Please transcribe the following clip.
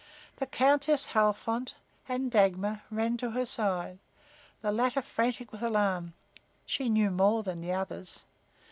The Countess Halfont and Dagmar ran to her side, the latter frantic with alarm. She knew more than the others.